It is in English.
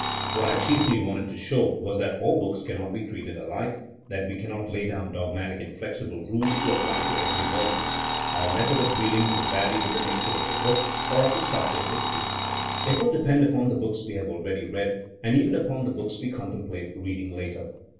What I chiefly wanted to show was that all books cannot be treated alike, that we cannot lay down dogmatic inflexible rules to apply to every volume. Our method of reading will vary with the nature of a book or of the sub ject it treats. It will depend upon the books we have already read and even upon the books we contemplate reading later.